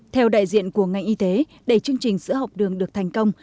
theo đại diện của ngành y tế để chương trình sữa học đường được thành công